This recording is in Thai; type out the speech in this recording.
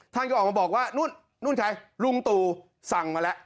ท่านก็ออกมาบอกว่านู่นนู่นใครลุงตู่สั่งมาแล้ว